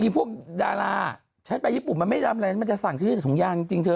๐๓๐๓พวกดาราใช้ไปญี่ปุ่นมันไม่ดำเนินมันจะสั่งที่ถุงยางจริงเธอ